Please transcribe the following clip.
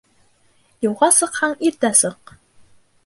Юлға сыҡһаң, иртә сыҡ.